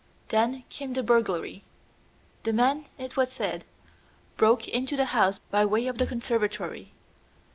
Then came the burglary. The men, it was said, broke into the house by way of the conservatory.